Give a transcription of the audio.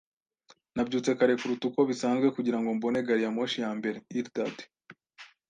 Nabyutse kare kuruta uko bisanzwe kugirango mbone gari ya moshi ya mbere. (Eldad)